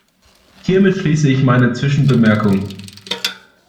Hiermit schließe ich meine Zwischenbemerkung.